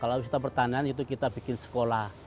kalau wisata pertanian itu kita bikin sekolah